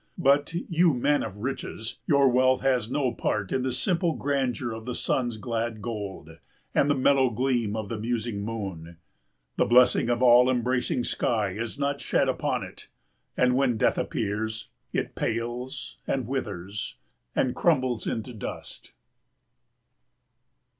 But, you man of riches, your wealth has no part in the simple grandeur of the sun's glad gold and the mellow gleam of the musing moon. The blessing of all embracing sky is not shed upon it. And when death appears, it pales and withers and crumbles into dust.